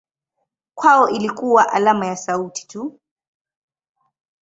Kwao ilikuwa alama ya sauti tu.